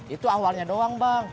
itu awalnya doang bang